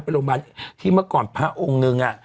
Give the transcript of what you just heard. เป็นโรงพยาบาลที่เมื่อก่อนพระองค์นึง